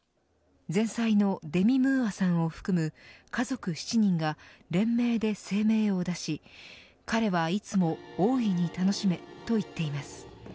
前妻のデミ・ムーアさんを含む家族７人が連名で声明を出し彼はいつも大いに楽しめと言っています。